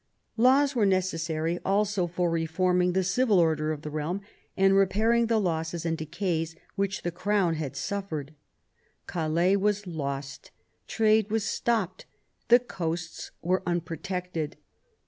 Laws were necessary also for reforming the civil order of the realm, and repairing the losses and decays which the Crown had suffered. Calais was lost ; trade was stopped ; the coasts were un protected.